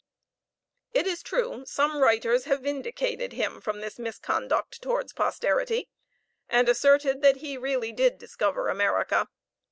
It is true, some writers have vindicated him from this misconduct towards posterity, and asserted that he really did discover America.